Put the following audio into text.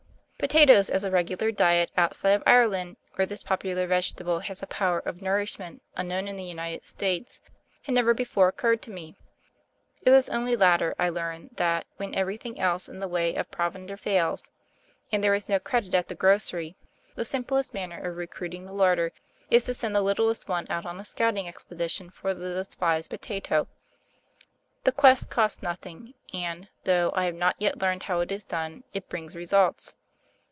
Potatoes as a regular diet, outside of Ireland, where this popular vegetable has a power of nourishment unknown in the United States, had never before occurred to me. It was only later I learned that, when everything else in the way of provender fails, and there is no credit at the grocery, the simplest manner of recruiting the larder is to send the little ones out on a scouting expedition for the despised potato. The quest costs nothing, and, though I have not yet learned how it is done, it brings results.